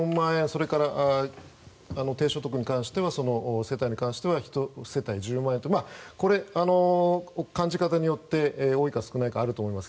それから、低所得その世帯に関しては１世帯１０万円とこれは感じ方によって多いか少ないかあると思います。